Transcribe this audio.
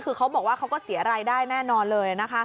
คือเขาบอกว่าเขาก็เสียรายได้แน่นอนเลยนะคะ